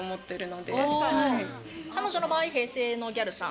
彼女の場合、平成のギャルさん。